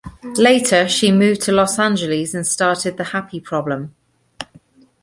Later she moved to Los Angeles and started The Happy Problem.